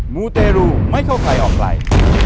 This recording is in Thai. มูเตรูไม่เข้าใครออกใคร